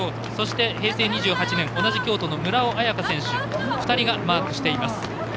そして、平成２８年村尾綾香選手の２人がマークしています。